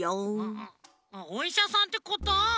おいしゃさんってこと？